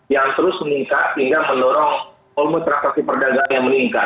yang terus meningkat hingga mendorong volume transaksi perdagangan yang meningkat